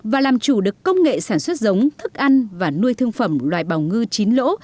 và làm chủ được công nghệ sản xuất giống thức ăn và nuôi thương phẩm loài bào ngư chín lỗ